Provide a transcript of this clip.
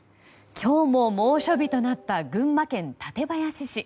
今日も猛暑日となった群馬県館林市。